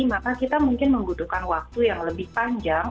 maka kita mungkin membutuhkan waktu yang lebih panjang